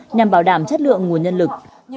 nhằm bảo đảm chất lượng nguồn nhân lực